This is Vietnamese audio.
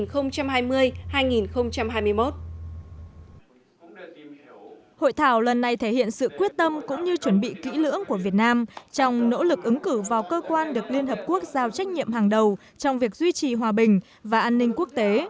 hội thảo lần này thể hiện sự quyết tâm cũng như chuẩn bị kỹ lưỡng của việt nam trong nỗ lực ứng cử vào cơ quan được liên hợp quốc giao trách nhiệm hàng đầu trong việc duy trì hòa bình và an ninh quốc tế